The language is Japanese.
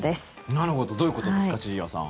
なるほどどういうことですか千々岩さん。